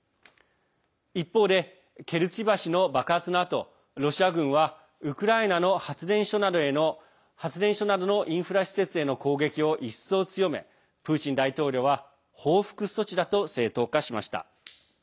一方で、ケルチ橋の爆発のあとロシア軍はウクライナの発電所などのインフラ施設への攻撃を一層強めプーチン大統領は報復措置だと正当化しました。